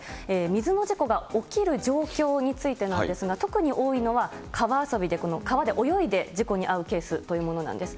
水の事故が起きる状況についてなんですが、特に多いのは、川遊びで、川で泳いで事故に遭うケースというものなんです。